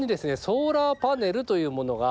ソーラーパネルというものが。